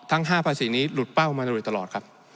ทั้ง๕ภาษีนี้หลุดเป้ามาโดยตลอดครับ